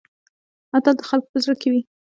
اتل د خلکو په زړه کې وي؟